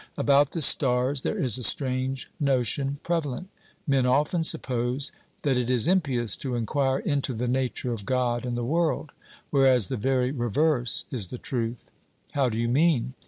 About the stars there is a strange notion prevalent. Men often suppose that it is impious to enquire into the nature of God and the world, whereas the very reverse is the truth. 'How do you mean?'